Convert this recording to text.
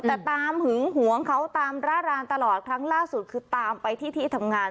แต่ตามหึงหวงเขาตามร่ารานตลอดครั้งล่าสุดคือตามไปที่ที่ทำงาน